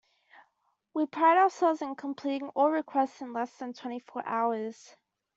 We pride ourselves in completing all requests in less than twenty four hours.